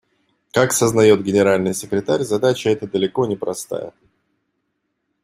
Как сознает Генеральный секретарь, задача эта далеко не простая.